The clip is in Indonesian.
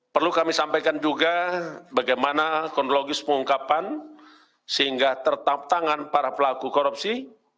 perlu kami sampaikan juga bagaimana kronologis pengungkapan sehingga tertap tangan para pelaku korupsi